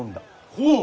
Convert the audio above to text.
ほう！